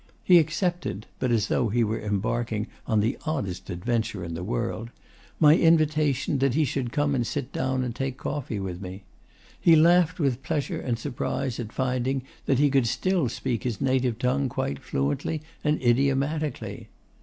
He accepted (but as though he were embarking on the oddest adventure in the world) my invitation that he should come and sit down and take coffee with me. He laughed with pleasure and surprise at finding that he could still speak his native tongue quite fluently and idiomatically.